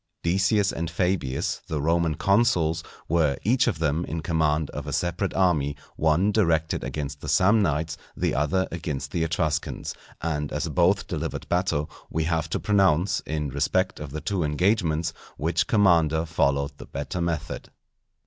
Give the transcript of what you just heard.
_ Decius and Fabius, the Roman consuls, were each of them in command of a separate army, one directed against the Samnites, the other against the Etruscans: and as both delivered battle, we have to pronounce, in respect of the two engagements, which commander followed the better method.